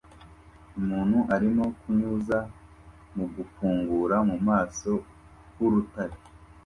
Umuntu arimo kunyunyuza mu gufungura mu maso h'urutare